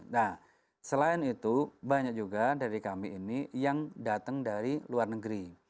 nah selain itu banyak juga dari kami ini yang datang dari luar negeri